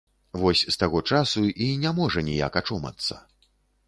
Вось з таго часу і не можа ніяк ачомацца.